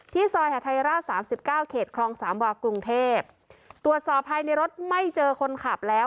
ซอยหาทัยราชสามสิบเก้าเขตคลองสามวากรุงเทพตรวจสอบภายในรถไม่เจอคนขับแล้ว